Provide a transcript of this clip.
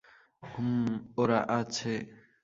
হুম, ওরা আছে।